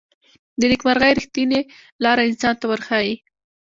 د نیکمرغۍ ریښتینې لاره انسان ته ورښيي.